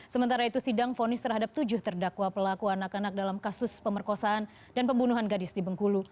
sementara itu sidang fonis terhadap tujuh terdakwa pelaku anak anak dalam kasus pemerkosaan dan pembunuhan gadis di bengkulu